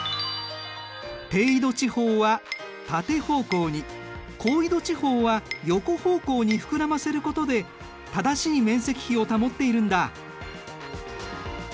低緯度地方は縦方向に高緯度地方は横方向に膨らませることで正しい面積比を保っているんだ。